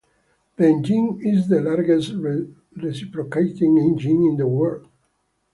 The engine is the largest reciprocating engine in the world.